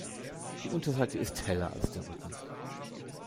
Die Unterseite ist heller als der Rücken.